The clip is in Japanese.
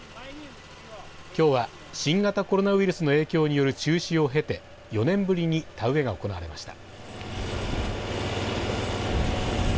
きょうは新型コロナウイルスの影響による中止を経て４年ぶりに田植えが行われました。